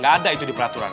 ga ada itu di peraturan